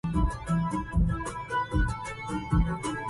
قد ركبنا على البريد لمصر